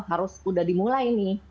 harus sudah dimulai ini